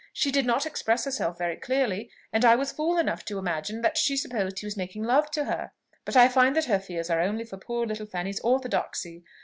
She did not express herself very clearly, and I was fool enough to imagine that she supposed he was making love to her; but I find that her fears are only for poor little Fanny's orthodoxy.